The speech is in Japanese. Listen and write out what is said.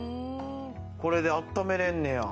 これであっためれんねや。